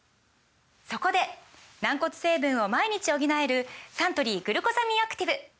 そこで軟骨成分を毎日補えるサントリー「グルコサミンアクティブ」！